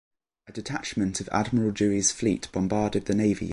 A detachment of Admiral Dewey's fleet bombarded the navy yard.